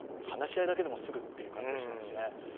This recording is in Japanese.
話し合いだけでもすぐっていう感じしますしね。